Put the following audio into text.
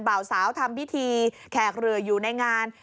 บ่าวสาวทำพิธีแขกเรืออยู่ในงาน